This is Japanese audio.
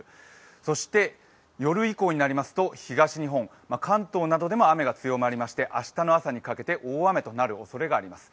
そして夜以降になりますと東日本関東などでも雨が強まりまして明日の朝にかけて大雨になるおそれがあります。